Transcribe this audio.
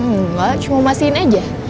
enggak cuma umasiin aja